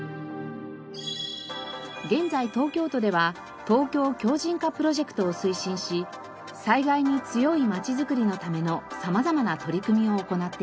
現在東京都ではＴＯＫＹＯ強靭化プロジェクトを推進し災害に強いまちづくりのための様々な取り組みを行っています。